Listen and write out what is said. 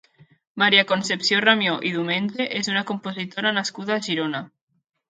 Maria Concepció Ramió i Diumenge és una compositora nascuda a Girona.